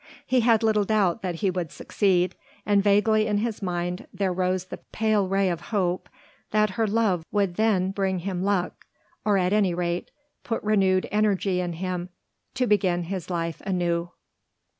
He had little doubt that he would succeed, and vaguely in his mind there rose the pale ray of hope that her love would then bring him luck, or at any rate put renewed energy in him to begin his life anew.